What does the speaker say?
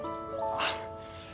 あっ。